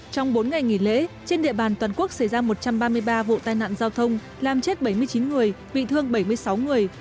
trong bốn ngày nghỉ lễ trên địa bàn toàn quốc xảy ra một trăm ba mươi ba vụ tai nạn giao thông làm chết bảy mươi chín người bị thương bảy mươi sáu người